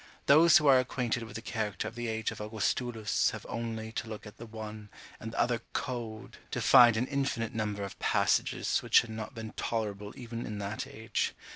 Those who are acquainted with the character of the age of Augustulus have only to look at the one, and the other code, to find an infinite number of passages which had not been tolerable even in that age.